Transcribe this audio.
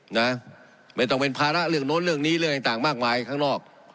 นะไม่ต้องเป็นภาระเรื่องโน้นเรื่องนี้เรื่องต่างต่างมากมายข้างนอก